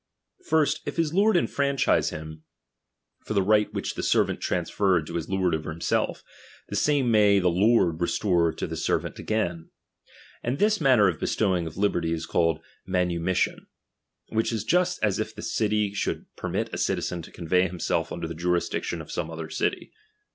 First, if his lord enfranchise him ; for the right which kthe servant transferred to his lord over himself, the same may the lord restore to the servant again. And this manner of bestowing of liberty is called manumission ; which is just as if a city should permit a citizen to convey himself under the junsdictiou of some other city.